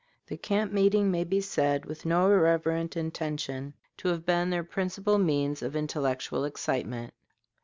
The camp meeting may be said, with no irreverent intention, to have been their principal means of intellectual excitement.